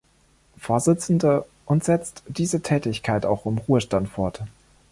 Vorsitzende und setzt diese Tätigkeit auch im Ruhestand fort.